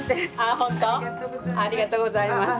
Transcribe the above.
ありがとうございます。